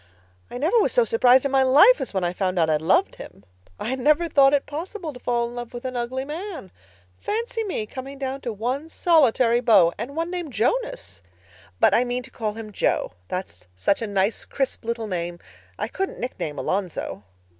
I never was so surprised in my life as I was when I found out I loved him. I'd never thought it possible to fall in love with an ugly man. Fancy me coming down to one solitary beau. And one named Jonas! But I mean to call him Jo. That's such a nice, crisp little name. I couldn't nickname Alonzo."